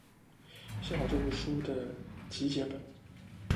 幸好这部书的结集本。